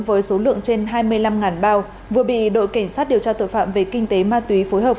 với số lượng trên hai mươi năm bao vừa bị đội cảnh sát điều tra tội phạm về kinh tế ma túy phối hợp